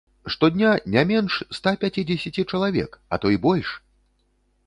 Штодня не менш ста пяцідзесяці чалавек, а то й больш!